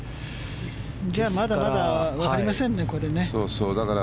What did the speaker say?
じゃあまだまだ分かりませんね。